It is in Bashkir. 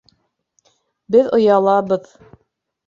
Беҙ оялабыҙ!